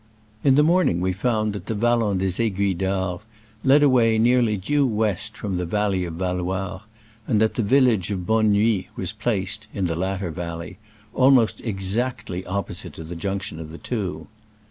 In the morning we found that the Val lon des Aiguilles d'Arve led away near ly due west from the valley of Valloires and that the village of Bonnenuit was placed (in the latter valley) almost ex actly opposite to the junction of the two.